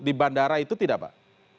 di bandara itu tidak pak